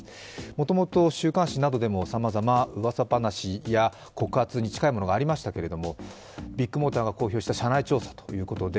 もともと週刊誌などでもさまざま噂話や告発に近いものがありましたけれども、ビッグモーターが公表した社内調査ということで。